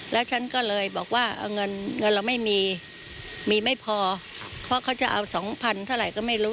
แล้วฉันก็เลยบอกว่าเงินเงินเราไม่มีมีไม่พอเพราะเขาจะเอาสองพันเท่าไหร่ก็ไม่รู้